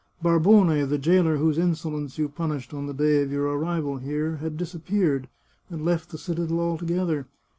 Barbone, the jailer whose insolence you punished on the day of your arrival here, had disappeared, and left the citadel altogether.